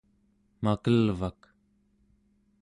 makelvak